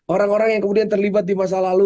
orang orang yang kemudian terlibat di masa lalu